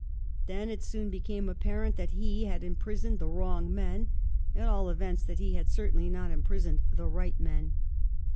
Then it soon became apparent that he had imprisoned the wrong men; at all events that he had cer tainly not imprisoned the right men.